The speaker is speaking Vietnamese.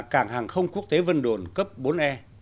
cảng hàng không quốc tế vân đồn cấp bốn e